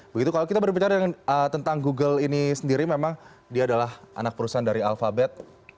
begitu kalau kita berbicara tentang google ini sendiri memang dia adalah anak perusahaan dari alphabet